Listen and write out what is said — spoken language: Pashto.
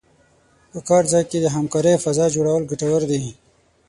په کار ځای کې د همکارۍ فضا جوړول ګټور دي.